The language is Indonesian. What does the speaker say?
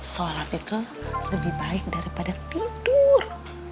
sholat itu lebih baik daripada tidur